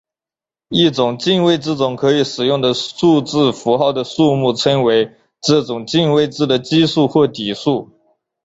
一种进位制中可以使用的数字符号的数目称为这种进位制的基数或底数。